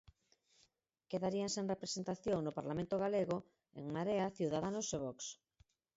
Quedarían sen representación no Parlamento galego En Marea, Ciudadanos e Vox.